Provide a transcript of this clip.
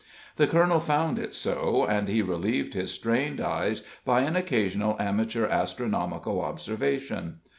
The colonel found it so, and he relieved his strained eyes by an occasional amateur astronomical observation.